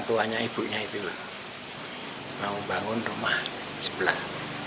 tentu hanya ibunya itu loh mau bangun rumah di sebelah